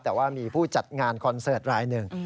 แต่ว่ามีผู้จัดงานคอนเสิร์ตรายหนึ่ง